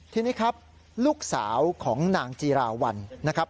ทีนี้ครับลูกสาวของนางจีราวัลนะครับ